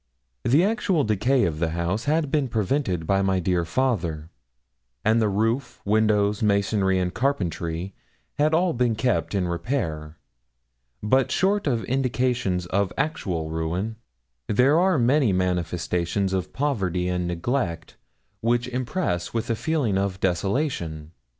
The actual decay of the house had been prevented by my dear father; and the roof, windows, masonry, and carpentry had all been kept in repair. But short of indications of actual ruin, there are many manifestations of poverty and neglect which impress with a feeling of desolation.